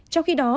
trong khi đó